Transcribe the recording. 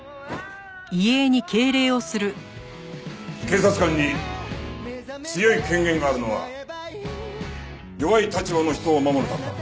警察官に強い権限があるのは弱い立場の人を守るためだ。